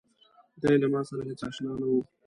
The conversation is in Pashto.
دی له ماسره هېڅ آشنا نه و.